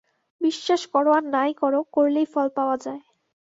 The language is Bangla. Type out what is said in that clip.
বিশ্বাস কর আর নাই কর, করলেই ফল পাওয়া যায়।